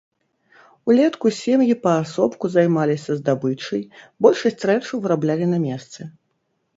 Улетку сем'і паасобку займаліся здабычай, большасць рэчаў выраблялі на месцы.